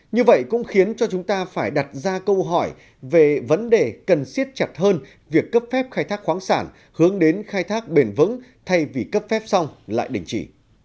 như vậy cũng khiến cho chúng ta phải đặt ra câu hỏi về vấn đề cần siết chặt hơn việc cấp phép khai thác khoáng sản hướng đến khai thác bền vững thay vì cấp phép xong lại đình chỉ